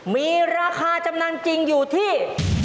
มีราคาจำนำจริงอยู่ที่